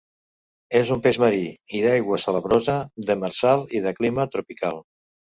És un peix marí i d'aigua salabrosa, demersal i de clima tropical.